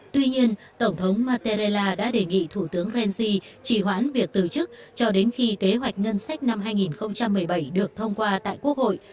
tuy nhiên tổng thống mattarella đã đề nghị thủ tướng benji chỉ hoãn việc từ chức cho đến khi kế hoạch ngân sách năm hai nghìn một mươi bảy được thông qua tại quốc hội